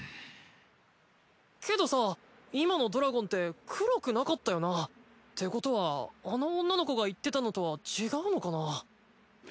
けどさ今のドラゴンって黒くなかったよな？ってことはあの女の子が言ってたのとは違うのかなぁ。